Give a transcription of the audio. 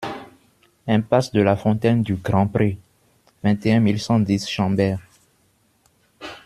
Impasse de la Fontaine du Grand Pré, vingt et un mille cent dix Chambeire